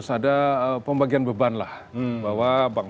harus ada pembagian beban lah bahwa bank